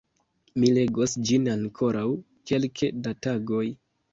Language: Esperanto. Mi legos ĝin ankoraŭ kelke da tagoj.